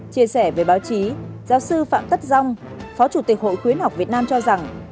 chia sẻ với báo chí giáo sư phạm tất dông phó chủ tịch hội khuyến học việt nam cho rằng